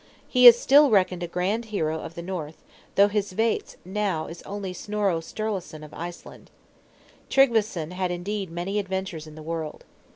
He is still reckoned a grand hero of the North, though his vates now is only Snorro Sturleson of Iceland. Tryggveson had indeed many adventures in the world.